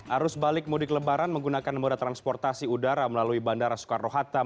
arus balik mudik lebaran menggunakan moda transportasi udara melalui bandara soekarno hatta